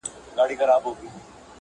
لا سر دي د نفرت د تور ښامار کوټلی نه دی-